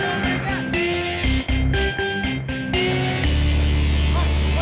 tapi agak ingwards nah ha